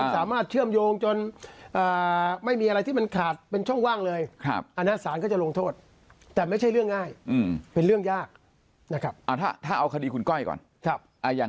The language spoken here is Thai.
ฐานายใดชาวัดไปไหนมากการเอาเพียบแบบกว้าง